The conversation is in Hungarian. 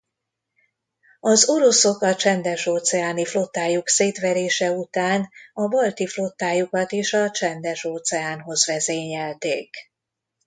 Az oroszok a Csendes-óceáni Flottájuk szétverése után a Balti Flottájukat is a Csendes-óceánhoz vezényelték.